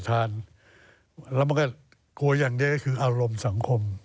แต่กลัวอย่างเย็นก็คืออารมณ์สังคม